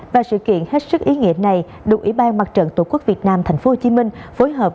và sự kiện hết sức ý nghĩa này được ủy ban mặt trận tổ quốc việt nam tp hcm phối hợp